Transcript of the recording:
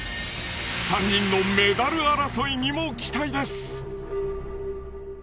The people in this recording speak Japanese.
３人のメダル争いにも期待です！